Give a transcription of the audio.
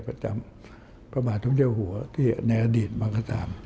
ประจำพระบาทสมเด็จเจ้าหัวที่ในอดีตบ้างก็ตาม